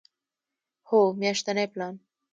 هو، میاشتنی پلان